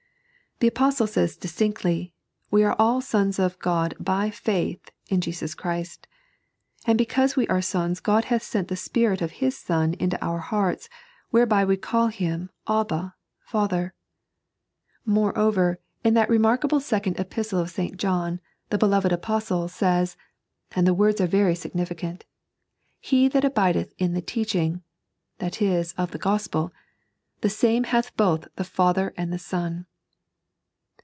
12). (3) The Apoetle says distinctly: "We are all sons of God dy/dtitA in JeeusOhrist"; and because we are sons Cfod hath sent the Spirit of His Son into our hearts, whereby we call Him Abba, Father. Moreover, in that remarkable Second Epistle of St. John the beloved Apostle says — and the words si« very significant —" He that abideth in the 3.n.iized by Google 120 The Discifles' Prater. teaching" — ^that is, of the Uoepel — "the same bath both the Father and the Sod."